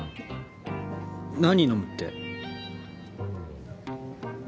何飲むって？